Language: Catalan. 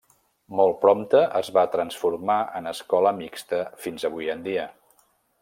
Molt prompte es va transformar en escola mixta fins avui en dia.